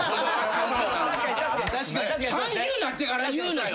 ３０になってから言うなよ。